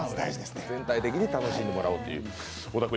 全体的に楽しんでもらおうという。